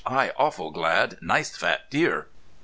I awful glad! Nice fat deer!"